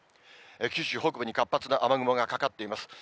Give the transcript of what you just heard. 九州北部に活発な雨雲がかかっています。